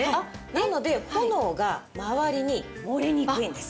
なので炎が周りに漏れにくいんです。